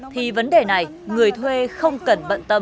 thì vấn đề này người thuê không cần bận tâm